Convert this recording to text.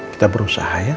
kita berusaha ya